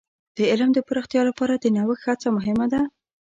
د علم د پراختیا لپاره د نوښت هڅه مهمه ده.